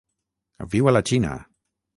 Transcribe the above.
Viu a la Xina.